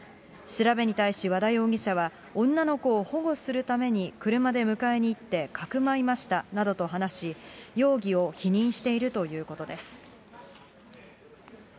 調べに対し和田容疑者は、女の子を保護するために車で迎えに行ってかくまいましたなどと話し、容疑を否認しているということです。